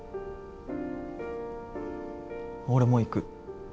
俺も行く。